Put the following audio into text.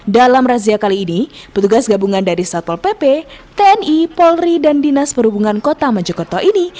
dalam razia kali ini petugas gabungan dari satpol pp tni polri dan dinas perhubungan kota mojokerto ini